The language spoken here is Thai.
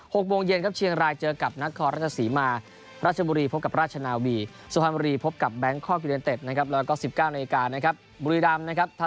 หกโมงเย็นครับเชียงรายเจอกับนักคอร์ราชสีมา